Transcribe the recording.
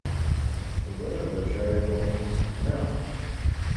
Teẓrid d acu ara yeḍrun ass-a, naɣ?